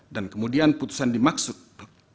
dan kemudian putusan dimaksudkan